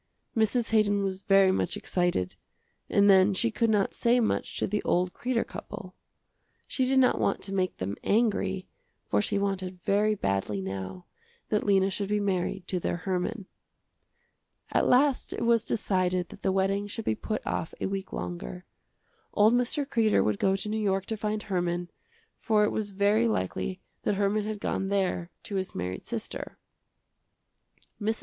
Mrs. Haydon was very much excited, and then she could not say much to the old Kreder couple. She did not want to make them angry, for she wanted very badly now that Lena should be married to their Herman. At last it was decided that the wedding should be put off a week longer. Old Mr. Kreder would go to New York to find Herman, for it was very likely that Herman had gone there to his married sister. Mrs.